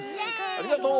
ありがとう。